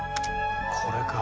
これか。